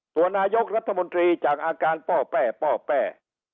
ตัวนายกรัฐมนตรีจากอาการป้อแป้ป้อแป้